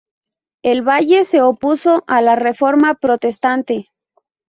El valle se opuso a la reforma protestante.